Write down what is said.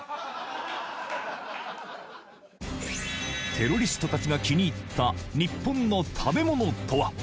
テロリストたちが気に入った日本の食べ物とは？